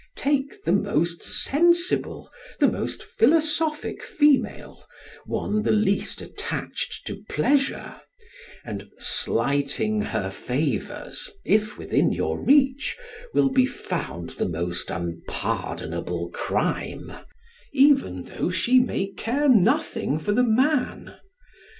Take the most sensible; the most philosophic female, one the least attached to pleasure, and slighting her favors, if within your reach, will be found the most unpardonable crime, even though she may care nothing for the man.